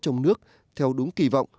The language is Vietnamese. trong nước theo đúng kỳ vọng